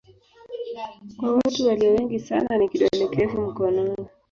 Kwa watu walio wengi sana ni kidole kirefu mkononi.